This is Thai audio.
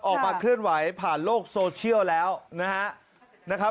ออกมาเคลื่อนไหวผ่านโลกโซเชียลแล้วนะครับ